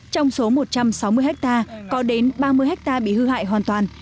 trong số một trăm sáu mươi ha có đến ba mươi hectare bị hư hại hoàn toàn